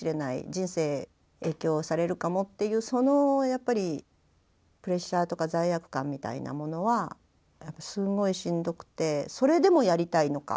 人生影響されるかもっていうそのプレッシャーとか罪悪感みたいなものはすんごいしんどくてそれでもやりたいのか